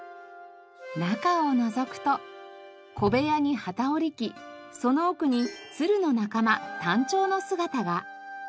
中をのぞくと小部屋に機織り機その奥にツルの仲間タンチョウの姿が。